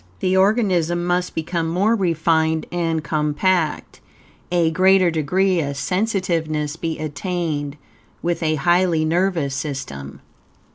The organism must become more refined and compact, a greater degree of sensitiveness be attained, with a highly nervous system.